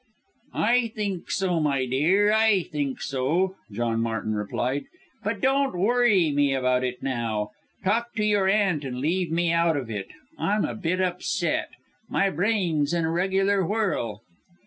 "I think so, my dear! I think so," John Martin replied, "but don't worry me about it now. Talk to your aunt and leave me out of it, I'm a bit upset. My brain's in a regular whirl!"